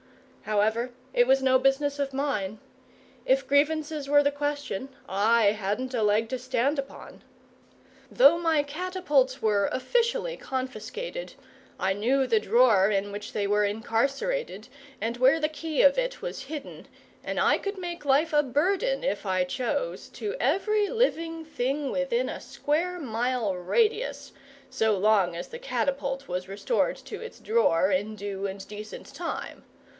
However, it was no business of mine. If grievances were the question, I hadn't a leg to stand upon. Though my catapults were officially confiscated, I knew the drawer in which they were incarcerated, and where the key of it was hidden, and I could make life a burden, if I chose, to every living thing within a square mile radius, so long as the catapult was restored to its drawer in due and decent time.